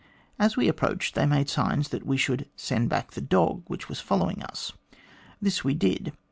As we approached, they made signs that we should send back the dog which was following us. This we did.